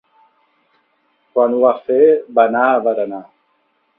Quan ho va fer va anar a berenar